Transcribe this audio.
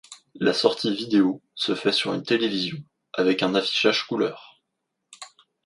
La sortie vidéo se faisait sur une télévision avec un affichage couleur.